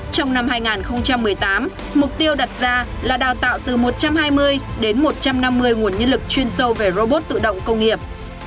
trong năm hai nghìn một mươi tám mục tiêu đặt ra là đào tạo từ một trăm hai mươi đến một trăm năm mươi nguồn nhân lực chuyên sâu về robot tự động công nghiệp